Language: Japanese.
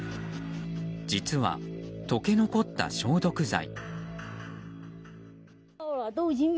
実は、溶け残った消毒剤。